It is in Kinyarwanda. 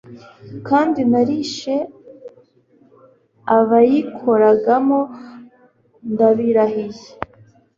kandi narishe abayikoragamo, ndabirahiye